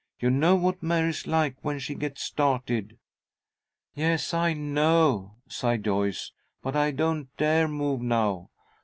You know what Mary's like when she gets started." "Yes, I know," sighed Joyce, "but I don't dare move now.